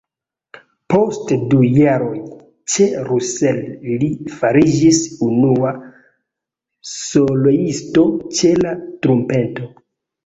Post du jaroj ĉe Russell li fariĝis unua soloisto ĉe la trumpeto.